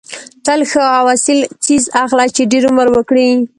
تل ښه او اصیل څیز اخله چې ډېر عمر وکړي.